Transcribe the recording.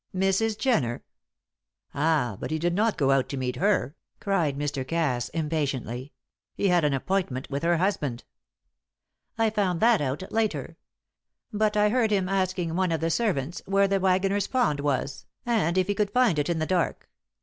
"Mrs. Jenner? Ah, but he did not go out to meet her!" cried Mr. Cass, impatiently. "He had an appointment with her husband." "I found that out later. But I heard him asking one of the servants where the Waggoner's Pond was, and if he could find it in the dark.